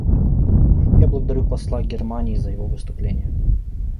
Я благодарю посла Германии за его выступление.